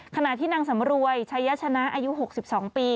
ขณะที่นางสำรวยชายชนะอายุหกสิบสองปี